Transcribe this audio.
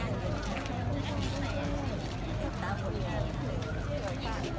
ลูกพ่อพ่อบอยเท่าไหร่